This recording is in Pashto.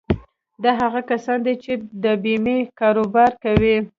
دا هغه کسان دي چې د بيمې کاروبار کوي.